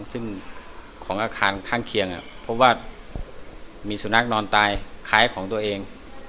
ซึ่งของอาคารข้างเคียงพบว่ามีสุนัขนอนตายคล้ายของตัวเอง